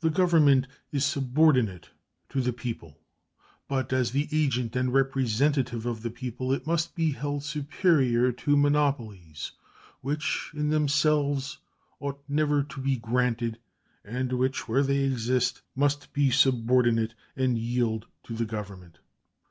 The Government is subordinate to the people; but, as the agent and representative of the people, it must be held superior to monopolies, which in themselves ought never to be granted, and which, where they exist, must be subordinate and yield to the Government.